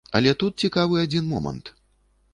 Але тут цікавы адзін момант.